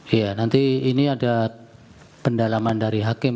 iya nanti ini ada pendalaman dari hakim